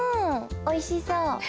おいしそう。